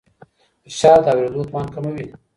فشار د اورېدو توان کموي.